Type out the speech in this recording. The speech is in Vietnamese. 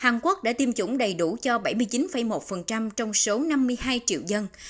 hàn quốc đã tiêm chủng đầy đủ cho bảy mươi chín một trong số năm mươi hai triệu dân